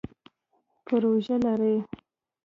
پروژی لرئ؟